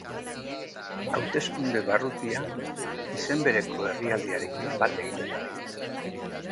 Hauteskunde-barrutia izen bereko herrialdearekin bat egiten du.